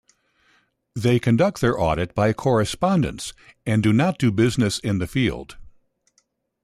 They conduct their audit by correspondence and do not visit business in the field.